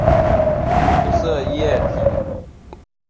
无色液体。